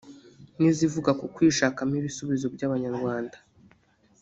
n’izivuga ku kwishakamo ibisubizo by’Abanyarwanda